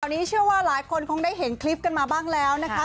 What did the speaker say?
ตอนนี้เชื่อว่าหลายคนคงได้เห็นคลิปกันมาบ้างแล้วนะคะ